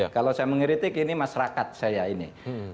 kalau saya mengkritik ini masyarakat saya ini